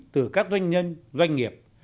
từ các doanh nhân doanh nghiệp